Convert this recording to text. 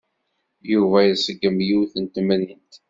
Yuba iṣeggem yiwet n temrint.